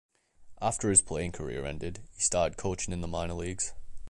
After his playing career ended, he started coaching in the minor leagues.